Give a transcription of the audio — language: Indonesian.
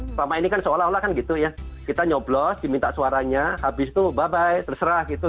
selama ini kan seolah olah kan gitu ya kita nyoblos diminta suaranya habis itu babai terserah gitu